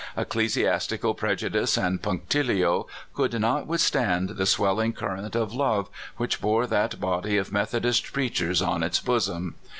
Ecclesiastical prej' udice and punctilio could not withstand the swell ing current of love which bore that body of Meth odist preachers on its bosom.